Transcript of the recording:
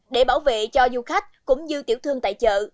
để bảo vệ cho du khách cũng như tiểu thương tại chợ